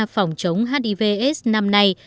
phòng chống hiv s năm nay